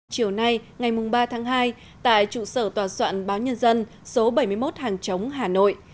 chiều nay ngày ba tháng hai tại trụ sở tòa soạn báo nhân dân số bảy mươi một hàng chống hà nội